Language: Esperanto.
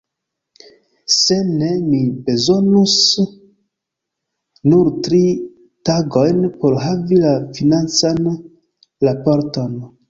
Se ne, mi bezonus nur tri tagojn por havi la financan raporton.